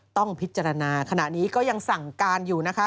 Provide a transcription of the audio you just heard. ต้องพิจารณาขณะนี้ก็ยังสั่งการอยู่นะคะ